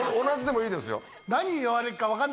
同じでもいいですよ。